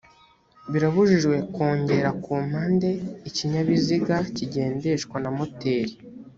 birabujijwe kwongera ku mpande z ikinyabiziga kigendeshwa na moteri